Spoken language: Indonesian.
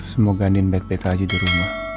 semoga andin baik baik aja di rumah